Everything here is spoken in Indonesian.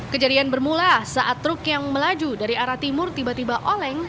kejadian bermula saat truk yang melaju dari arah timur tiba tiba oleng